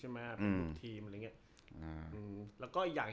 แล้วก็อีกอย่าง